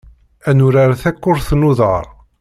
Ad nurar takurt n uḍar.